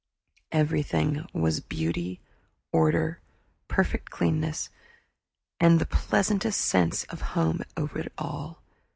Everything was beauty, order, perfect cleanness, and the pleasantest sense of home over it all.